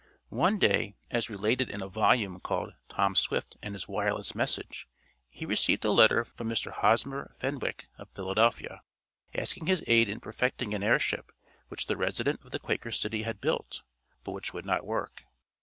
One day, as related in a volume called "Tom Swift and His Wireless Message," he received a letter from a Mr. Hosmer Fenwick, of Philadelphia, asking his aid in perfecting an airship which the resident of the Quaker City had built, but which would not work.